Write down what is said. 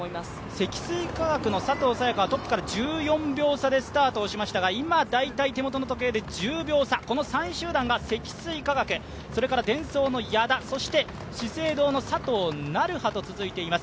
積水化学の佐藤早也伽はトップから１４秒差でスタートしましたが今１０秒差、３位集団が積水化学それからデンソーの矢田、資生堂の佐藤成葉と続いています。